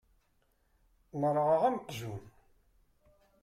Merrɣeɣ am uqjun.